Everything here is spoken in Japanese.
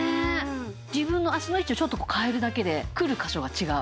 自分の脚の位置をちょっと変えるだけでくる箇所が違う。